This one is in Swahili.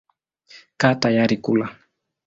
Kaa tayari kula.